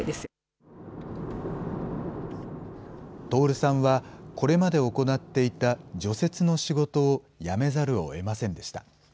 亨さんは、これまで行っていた除雪の仕事を辞めざるをえませんでした。